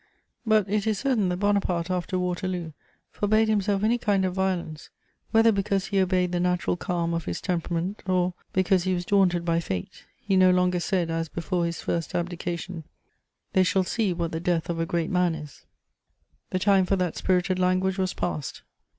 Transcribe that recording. But it is certain that Bonaparte, after Waterloo, forbade himself any kind of violence, whether because he obeyed the natural calm of his temperament, or because he was daunted by fate; he no longer said, as before his first abdication: "They shall see what the death of a great man is." The time for that spirited language was past.